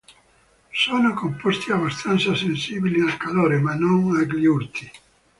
Sono composti abbastanza sensibili al calore, ma non agli urti.